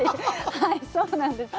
はい、そうなんですよ。